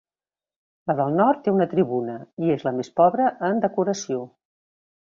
La del nord té una tribuna i és la més pobra en decoració.